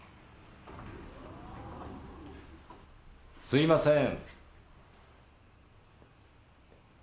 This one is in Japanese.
すいません。